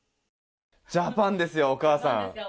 ジャパンですよお母さん。